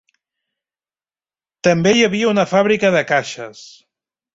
També hi havia una fàbrica de caixes.